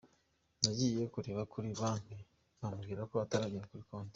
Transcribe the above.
Nagiye kureba kuri banki, bambwira ko ataragera kuri konti.